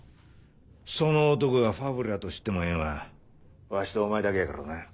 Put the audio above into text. その男がファブルやと知ってもええんはわしとお前だけやからな。